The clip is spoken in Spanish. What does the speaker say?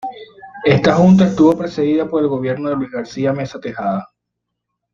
Esta Junta estuvo precedida por el gobierno de Luis García Meza Tejada.